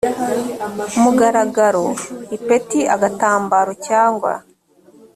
mugaragaro ipeti agatambaro cyangwa